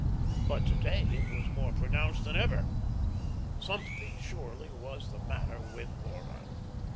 But to day it was more pronounced than ever. Something surely was the matter with Laura.